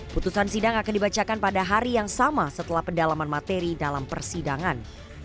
putusan sidang akan dibacakan pada hari yang sama setelah pendalaman materi dalam persidangan